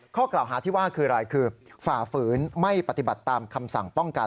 ข้อกล่าวหาที่ว่าคืออะไรคือฝ่าฝืนไม่ปฏิบัติตามคำสั่งป้องกัน